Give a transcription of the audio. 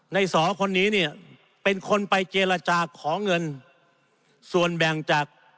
สอคนนี้เนี่ยเป็นคนไปเจรจาขอเงินส่วนแบ่งจาก